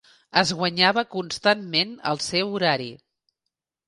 Es guanyava constantment el seu horari.